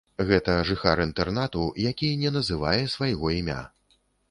Гэта жыхар інтэрнату, які на называе свайго імя.